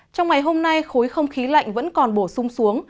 trong ngày hôm nay khối không khí lạnh vẫn còn bổ sung xuống